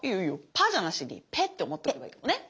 「パ」じゃなしに「ペ」って思っとけばいいかもね。